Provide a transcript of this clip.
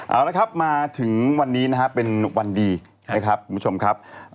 เอาละครับมาถึงวันนี้นะครับเป็นวันดีนะครับคุณผู้ชมครับ